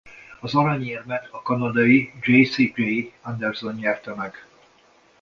Az aranyérmet a kanadai Jasey-Jay Anderson nyerte meg.